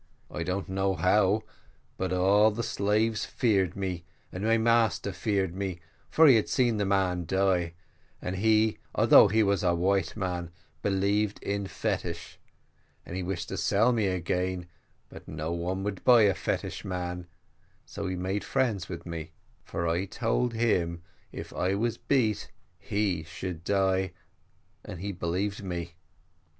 I don't know how, but all the slaves feared me, and my master feared me, for he had seen the man die, and he, although he was a white man, believed in fetish, and he wished to sell me again, but no one would buy a fetish man, so he made friends with me; for I told him, if I was beat he should die, and he believed me.